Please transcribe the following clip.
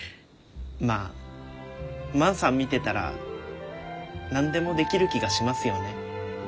まあ万さん見てたら何でもできる気がしますよね。